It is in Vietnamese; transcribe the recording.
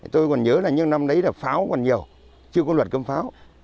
tôi còn nhớ là những năm đấy là pháo còn nhiều chưa có luật cấm pháo